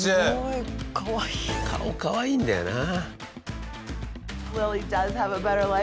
顔かわいいんだよな。